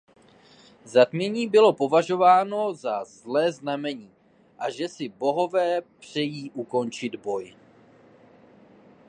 Zatmění bylo považováno za zlé znamení a že si bohové přejí ukončit boj.